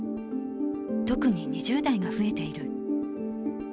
特に２０代が増えている。